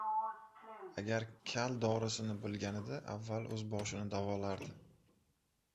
• Agar kal dorisini bilganida avval o‘z boshini davolardi.